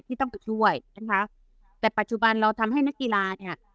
ต้องไปช่วยนะคะแต่ปัจจุบันเราทำให้นักกีฬาเนี่ย